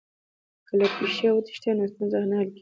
که له پېښي وتښتې نو ستونزه نه حل کېږي.